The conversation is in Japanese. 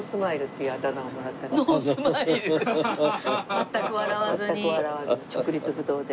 全く笑わずに直立不動で。